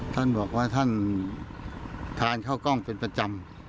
ท่านบอกว่าท่านทานข้าวกล้องเป็นประจำ